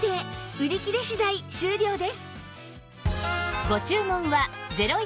売り切れ次第終了です